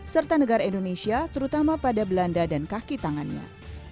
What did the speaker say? serta negara indonesia terutama pada belanda dan kaki tangannya